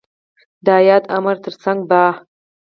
د ياد امر تر څنګ ب